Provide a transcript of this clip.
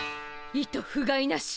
いとふがいなし。